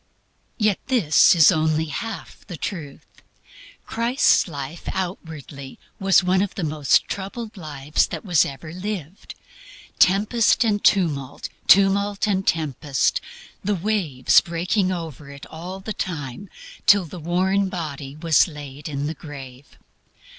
Yet this is only half the truth. Christ's life outwardly was one of the most troubled lives that was ever lived: tempest and tumult, tumult and tempest, the waves breaking over it all the time till the worn body was laid in the grave.